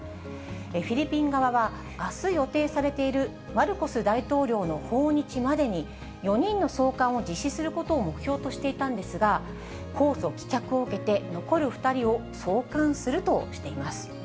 フィリピン側は、あす予定されているマルコス大統領の訪日までに、４人の送還を実施することを目標としていたんですが、公訴棄却を受けて、残る２人を送還するとしています。